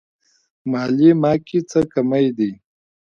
مالې ما کې څه کمی دی.